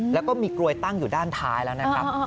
แล้วก็มีกลวยตั้งอยู่ด้านท้ายแล้วนะครับ